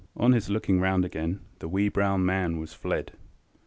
On his looking round again "the wee brown man was fled."